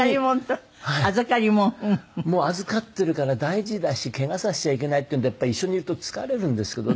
もう預かっているから大事だしケガさせちゃいけないっていうんでやっぱり一緒にいると疲れるんですけど。